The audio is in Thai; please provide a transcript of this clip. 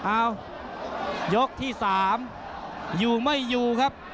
อ้าวยกที่๓อยู่ไม่อยู่ครับ